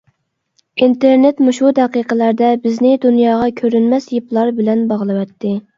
ئىنتېرنېت مۇشۇ دەقىقىلەردە بىزنى دۇنياغا كۆرۈنمەس يىپلار بىلەن باغلىۋەتتى.